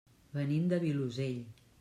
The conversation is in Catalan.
Venim del Vilosell.